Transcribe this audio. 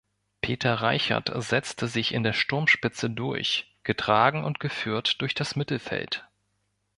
Peter Reichert setzte sich in der Sturmspitze durch, getragen und geführt durch das Mittelfeld.